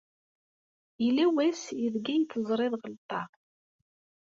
Yella wass ideg i yi-teẓriḍ ɣelṭeɣ?